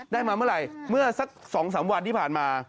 ได้มาเมื่อไหร่เมื่อสัก๒๓วันที่ผ่านมา